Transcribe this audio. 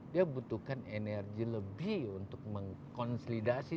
dia butuhkan energi lebih untuk mengkonsolidasi